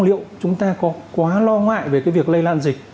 liệu chúng ta có quá lo ngại về cái việc lây lan dịch